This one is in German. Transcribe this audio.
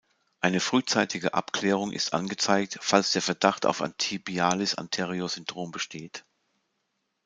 Eine frühzeitige Abklärung ist angezeigt, falls der Verdacht auf ein Tibialis-anterior-Syndrom besteht.